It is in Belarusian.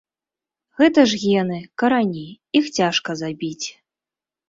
Гэта ж гены, карані, іх цяжка забіць.